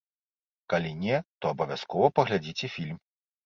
Калі не, то абавязкова паглядзіце фільм.